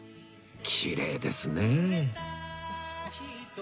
きれいですねえ